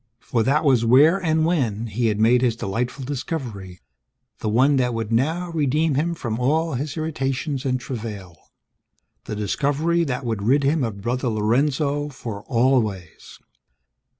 For that was where (and when) he had made his delightful discovery, the one that would now redeem him from all his irritations and travail. The discovery that would rid him of Brother Lorenzo for always!